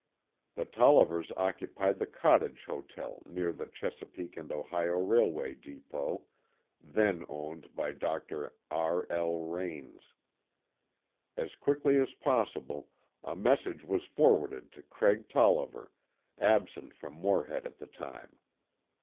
The Tollivers occupied the Cottage Hotel near the Chesapeake & Ohio Railway depot, then owned by Dr. R. L. Rains. As quickly as possible a message was forwarded to Craig Tolliver, absent from Morehead at the time.